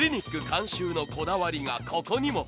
監修のこだわりが、ここにも。